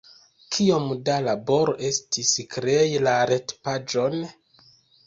Kiom da laboro estis krei la retpaĝon?